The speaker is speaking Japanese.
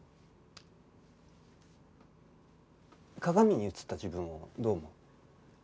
鏡に映った自分をどう思う？